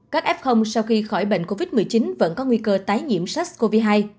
các f sau khi khỏi bệnh covid một mươi chín vẫn có nguy cơ tái nhiễm sars cov hai